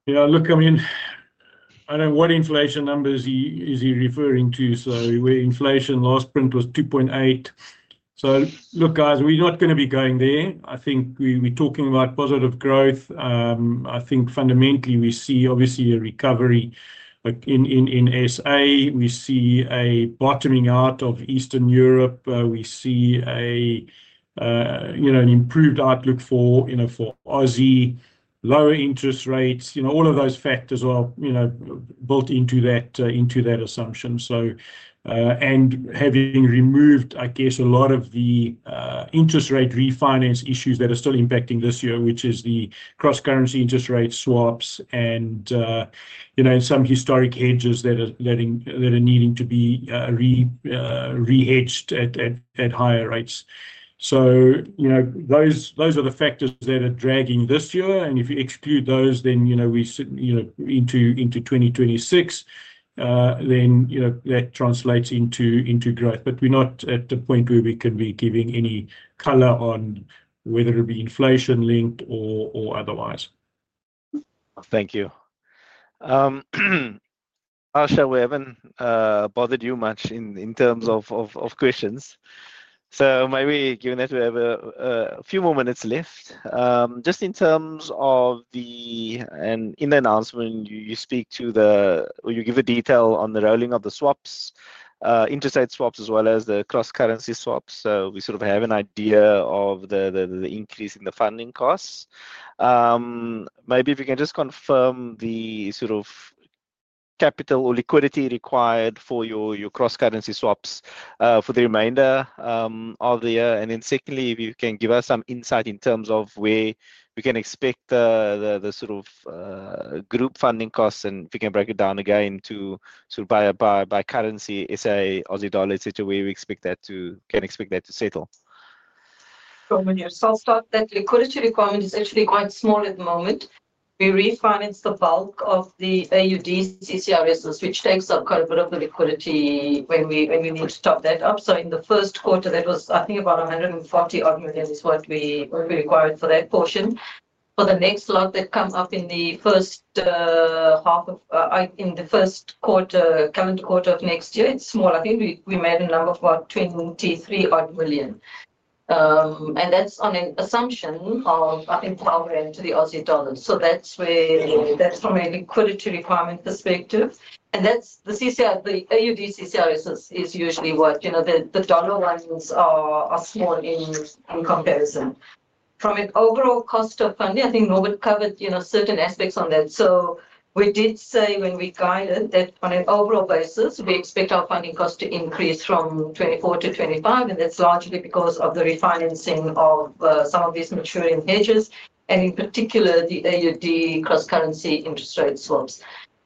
Yeah. Look, I mean, I don't know what inflation numbers he is referring to? So where inflation last print was 2.8%. So look, guys, we are not gonna be going there. I think we are talking about positive growth. I think fundamentally we see obviously a recovery in SA. We see a bottoming out of Eastern Europe. We see a, you know, an improved outlook for, you know, for Aussie, lower interest rates, you know, all of those factors are, you know, built into that assumption. So, and having removed, I guess, a lot of the interest rate refinance issues that are still impacting this year, which is the cross currency interest rate swaps and, you know, some historic hedges that are needing to be re-hedged at higher rates. You know, those are the factors that are dragging this year. If you exclude those, then, you know, we sit, you know, into 2026, then, you know, that translates into growth, but we are not at the point where we can be giving any color on whether it be inflation linked or otherwise. Thank you. I'm sure we haven't bothered you much in terms of questions. So maybe given that we have a few more minutes left, just in terms of the announcement, you speak to the or you give a detail on the rolling of the swaps, interest rate swaps as well as the cross currency swaps. So we sort of have an idea of the increase in the funding costs. Maybe if we can just confirm the sort of capital or liquidity required for your cross currency swaps for the remainder of the year. And then secondly, if you can give us some insight in terms of where we can expect the sort of group funding costs and if we can break it down again to sort of by currency, SA, Aussie dollar, et cetera, where we can expect that to settle. I'll start that liquidity requirement is actually quite small at the moment. We refinance the bulk of the AUD CCRSs, which takes up quite a bit of the liquidity when we need to top that up. In the first quarter, that was, I think, about 140-odd million, which is what we required for that portion. For the next lot that comes up in the first half of the first calendar quarter of next year, it's small. I think we made a number of about 23-odd million, and that's on an assumption of, I think, forward into the Aussie dollar. That's where that's from a liquidity requirement perspective. And that's the CCRS; the AUD CCRSs are usually what, you know, the dollar ones are small in comparison. From an overall cost of funding, I think Norbert covered, you know, certain aspects on that. So we did say when we guided that on an overall basis, we expect our funding cost to increase from 2024 to 2025. And that's largely because of the refinancing of, some of these maturing hedges and in particular the AUD cross currency interest rate swaps.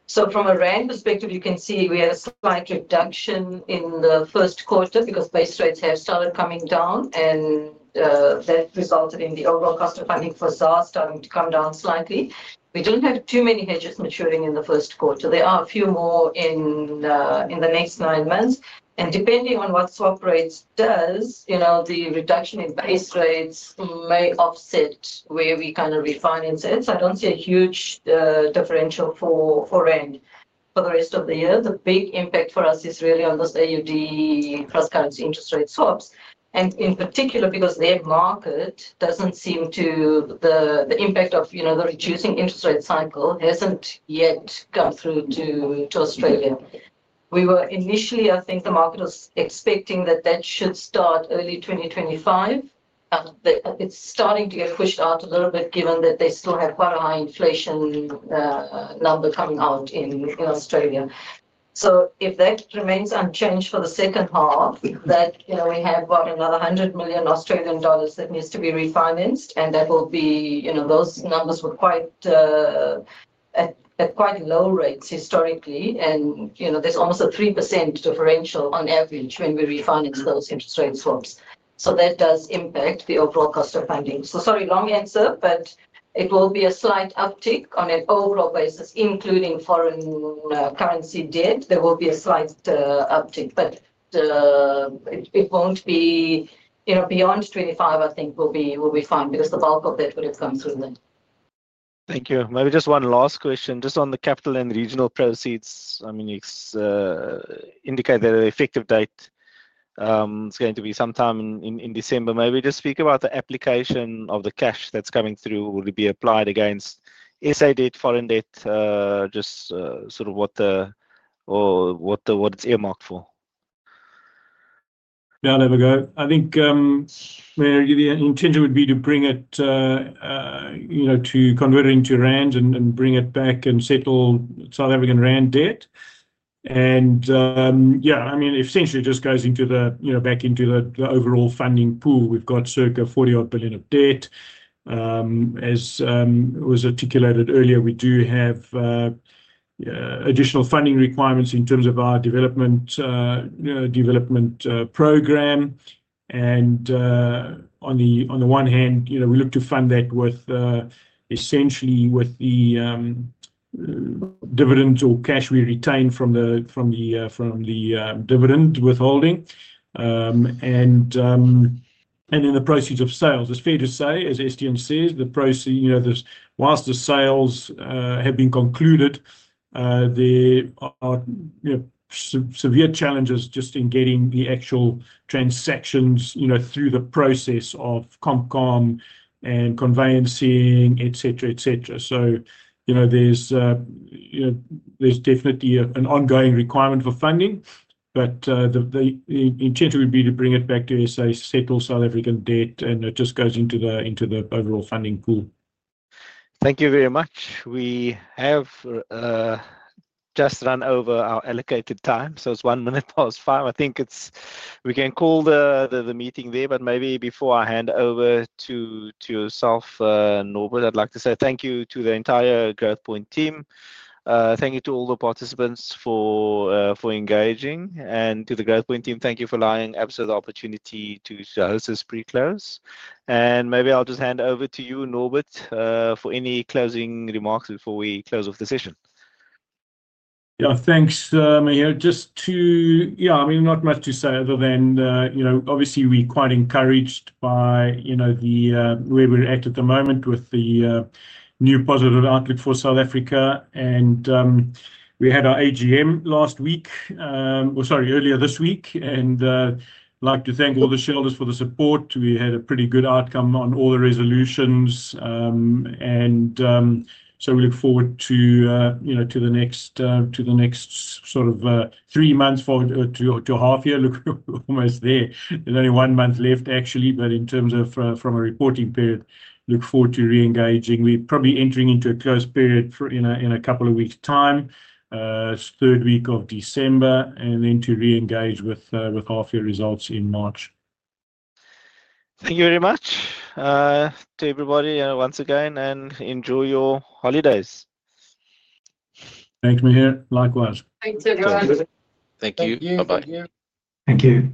So from a rand perspective, you can see we had a slight reduction in the first quarter because base rates have started coming down and, that resulted in the overall cost of funding for ZAR starting to come down slightly. We don't have too many hedges maturing in the first quarter. There are a few more in the next nine months. And depending on what swap rates does, you know, the reduction in base rates may offset where we kind of refinance it. I don't see a huge differential for rand for the rest of the year. The big impact for us is really on those AUD cross currency interest rate swaps. And in particular, because their market doesn't seem to, the impact of, you know, the reducing interest rate cycle hasn't yet come through to Australia. We were initially, I think the market was expecting that should start early 2025. It's starting to get pushed out a little bit given that they still have quite a high inflation number coming out in Australia. So if that remains unchanged for the second half, you know, we have about another 100 million Australian dollars that needs to be refinanced. And that will be, you know, those numbers were at quite low rates historically. You know, there's almost a 3% differential on average when we refinance those interest rate swaps. That does impact the overall cost of funding. Sorry, long answer, but it will be a slight uptick on an overall basis, including foreign currency debt. There will be a slight uptick, but it won't be, you know, beyond 25. I think it will be fine because the bulk of that would've come through then. Thank you. Maybe just one last question, just on the Capital & Regional proceeds. I mean, you indicate that an effective date, it's going to be sometime in December. Maybe just speak about the application of the cash that's coming through. Would it be applied against SA debt, foreign debt, just sort of what it's earmarked for? Yeah, there we go. I think, maybe the intention would be to bring it, you know, to convert it into rand and bring it back and settle South African rand debt. And, yeah, I mean, essentially it just goes into the, you know, back into the overall funding pool. We've got circa 40-odd billion of debt. As was articulated earlier, we do have additional funding requirements in terms of our development program. And, on the one hand, you know, we look to fund that with, essentially with the dividends or cash we retain from the dividend withholding. In the proceeds of sales, it's fair to say, as Estienne says, the proceeds. You know, whilst the sales have been concluded, there are you know severe challenges just in getting the actual transactions you know through the process of ComCom and conveyancing, et cetera, et cetera. So, you know, there's definitely an ongoing requirement for funding, but the intention would be to bring it back to SA to settle South African debt. It just goes into the overall funding pool. Thank you very much. We have just run over our allocated time, so it's 5:01 P.M. I think we can call the meeting there, but maybe before I hand over to yourself, Norbert, I'd like to say thank you to the entire Growthpoint team. Thank you to all the participants for engaging and to the Growthpoint team. Thank you for allowing us the opportunity to close this pre-close, and maybe I'll just hand over to you, Norbert, for any closing remarks before we close off the session. Yeah, thanks, Myra. Just to, yeah, I mean, not much to say other than, you know, obviously we're quite encouraged by, you know, the, where we're at at the moment with the, new positive outlook for South Africa. We had our AGM last week, or sorry, earlier this week. I'd like to thank all the shareholders for the support. We had a pretty good outcome on all the resolutions. So we look forward to, you know, to the next, to the next sort of, three months for, to, to a half year. Look, we're almost there. There's only one month left actually, but in terms of, from a reporting period, look forward to re-engaging. We are probably entering into a closed period in a couple of weeks' time, third week of December, and then to re-engage with, with half year results in March. Thank you very much to everybody once again and enjoy your holidays. Thanks, Myra. Likewise. Thanks, everyone. Thank you. Bye-bye. Thank you.